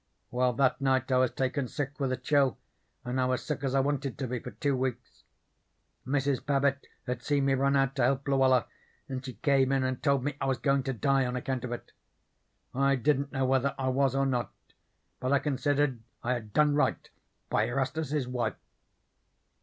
Well, that night I was taken sick with a chill, and I was sick as I wanted to be for two weeks. Mrs. Babbit had seen me run out to help Luella and she came in and told me I was goin' to die on account of it. I didn't know whether I was or not, but I considered I had done right by Erastus's wife.